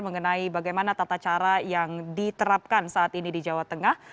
mengenai bagaimana tata cara yang diterapkan saat ini di jawa tengah